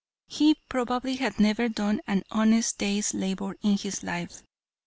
He probably had never done an honest day's labor in his life.